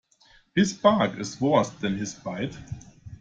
His bark is worse than his bite.